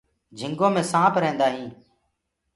جِهنگو مي سآنپ رهيندآ هينٚ۔